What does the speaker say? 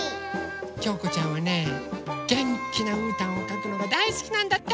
きょうこちゃんはねげんきなうーたんをかくのがだいすきなんだって！